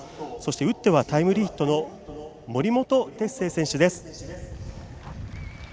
打ってはタイムリーヒットの森本哲星選手です。